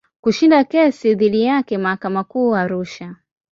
Kushinda kesi dhidi yake mahakama Kuu Arusha.